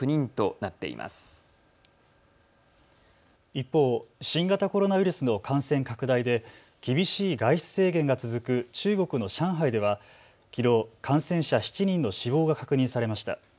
一方、新型コロナウイルスの感染拡大で厳しい外出制限が続く中国の上海ではきのう感染者７人の死亡が確認されました。